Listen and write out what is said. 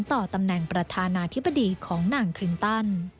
ต่อตำแหน่งประธานาธิบดีของนางคลินตัน